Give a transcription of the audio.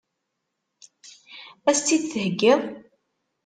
Ad as-tt-id-theggiḍ?